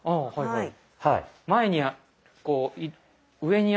はい。